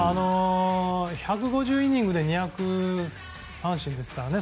１５０イニングで２００奪三振ですからね。